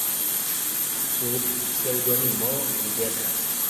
Sub pseŭdonimo li verkas.